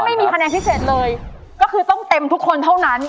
ไม่มีคะแนนพิเศษเลยก็คือต้องเต็มทุกคนเท่านั้น